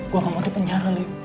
gue gak mau ke penjara liv